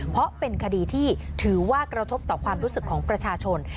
เพราะเป็นคดีที่ถือว่ากระทบต่อความรู้สึกของประชาชน